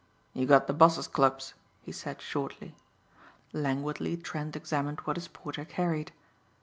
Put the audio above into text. "You got the boss's clubs," he said shortly. Languidly Trent examined what his porter carried.